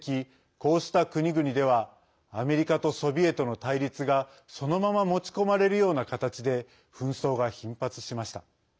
こうした国々ではアメリカとソビエトの対立がそのまま持ち込まれるような形で紛争が頻発しました。